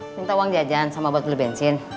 minta uang jajan sama buat beli bensin